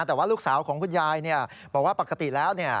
แต่ว่าลูกสาวของคุณยายบอกว่าปกติแล้ว